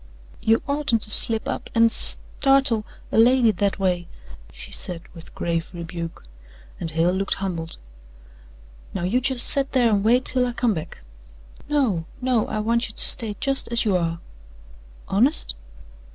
"You oughtn't to slip up an' s startle a lady that a way," she said with grave rebuke, and Hale looked humbled. "Now you just set there and wait till I come back." "No no I want you to stay just as you are." "Honest?"